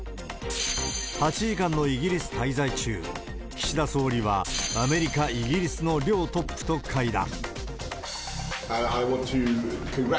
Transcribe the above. ８時間のイギリス滞在中、岸田総理はアメリカ、イギリスの両トップと会談。